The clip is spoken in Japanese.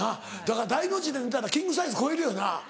だから大の字で寝たらキングサイズ超えるよな。